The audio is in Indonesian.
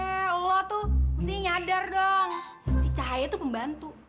eh allah tuh mesti nyadar dong si cahaya tuh pembantu